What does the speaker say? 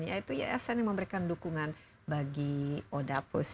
yaitu yasn yang memberikan dukungan bagi odapus